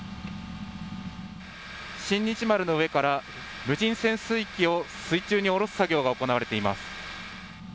新日丸の上から無人潜水機を水中に下ろす作業が行われています。